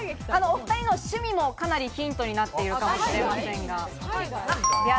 お２人の趣味も、かなりヒントになっているかもしれませんが。